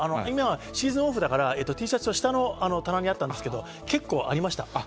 今、シーズンオフだからＴシャツは下の棚にあったんですけど、結構ありました。